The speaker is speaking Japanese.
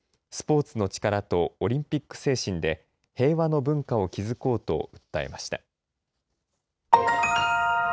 スポーツの力とオリンピック精神で平和の文化を築こうと訴えました。